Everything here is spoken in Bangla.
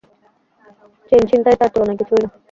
চেইন ছিনতাই তার তুলনায় কিছুই না।